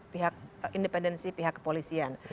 pihak independensi pihak kepolisian